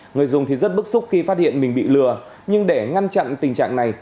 người dùng thì rất bức xúc khi phát hiện mình bị lừa nhưng để ngăn chặn tình trạng này